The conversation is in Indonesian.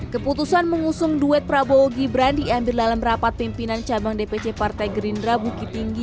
keputusan mengusung duet prabowo gibran diambil dalam rapat pimpinan cabang dpc partai gerindra bukit tinggi